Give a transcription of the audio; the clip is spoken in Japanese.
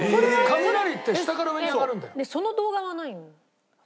雷って下から上に上がるんだよ。